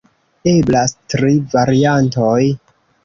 Eblas tri variantoj.